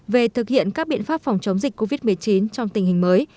về thực hiện các biện pháp phòng chống dịch covid một mươi chín trong tình hình mới